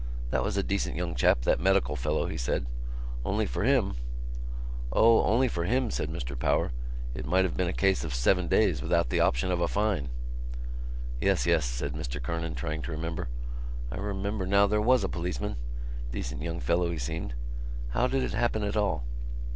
"That was a decent young chap, that medical fellow," he said. "Only for him——" "O, only for him," said Mr Power, "it might have been a case of seven days, without the option of a fine." "Yes, yes," said Mr Kernan, trying to remember. "I remember now there was a policeman. Decent young fellow, he seemed. How did it happen at all?"